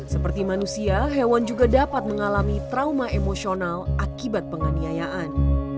seperti manusia hewan juga dapat mengalami trauma emosional akibat penganiayaan